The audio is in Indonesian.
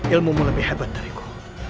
ilmu mu lebih hebat dari ku